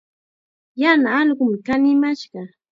Yana allqum kanimashqa.